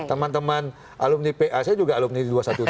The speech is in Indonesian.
teman teman alumni pa saya juga alumni dua ratus dua belas